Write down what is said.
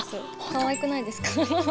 かわいくないですか？